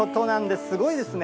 すごいですね。